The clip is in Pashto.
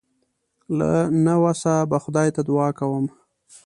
له نه وسه به خدای ته دعا کوم.